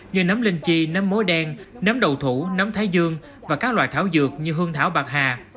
như nấm linh chi nấm mối đen nấm đầu thủ nấm thái dương và các loại thảo dược như hương thảo bạc hà